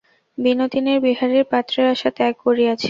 বিনোদিনী বিহারীর পত্রের আশা ত্যাগ করিয়াছে।